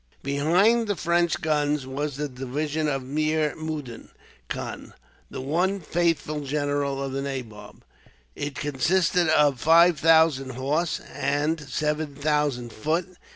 Behind the French guns was the division of Mir Mudin Khan, the one faithful general of the nabob. It consisted of five thousand horse, and seven thousand foot.